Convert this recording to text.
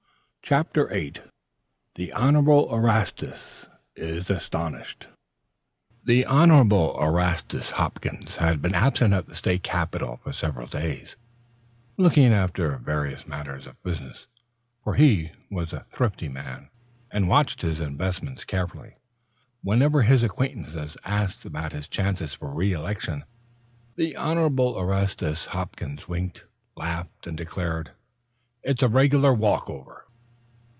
CHAPTER VIII THE HONORABLE ERASTUS IS ASTONISHED The Honorable Erastus Hopkins had been absent at the state capital for several days, looking after various matters of business; for he was a thrifty man, and watched his investments carefully. Whenever his acquaintances asked about his chances for re election, the Honorable Erastus Hopkins winked, laughed and declared, "it's a regular walk over."